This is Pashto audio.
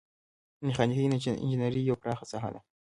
میخانیکي انجنیری یوه پراخه ساحه ده.